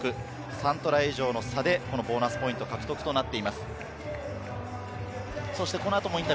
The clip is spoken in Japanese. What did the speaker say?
３トライ以上の差でボーナスポイント獲得となっています。